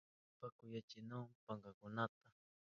Wayrashpan kuyurinahun pankakunaka.